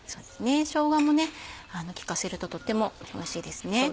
しょうがも利かせるととってもおいしいですね。